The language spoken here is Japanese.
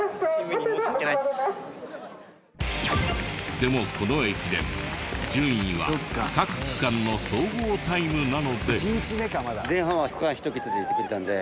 でもこの駅伝順位は各区間の総合タイムなので。